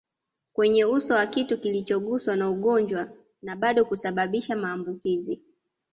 kwenye uso wa kitu kilichoguswa na mgonjwa na bado kusababisha maambukizi